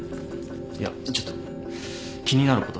いやちょっと気になることが。